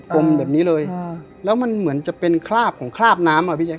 มแบบนี้เลยแล้วมันเหมือนจะเป็นคราบของคราบน้ำอ่ะพี่แจ